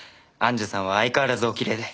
庵主さんは相変わらずおきれいで。